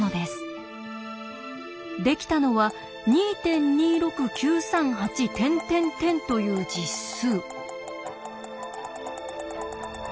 できたのは２．２６９３８という実数。